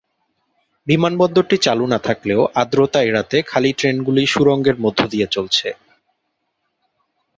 বিমানবন্দরটি চালু না থাকলেও আর্দ্রতা এড়াতে খালি ট্রেনগুলি সুড়ঙ্গের মধ্য দিয়ে চলছে।